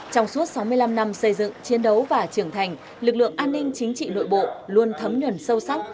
trong suốt sáu mươi năm năm xây dựng chiến đấu và trưởng thành lực lượng an ninh chính trị nội bộ luôn thấm nhuần sâu sắc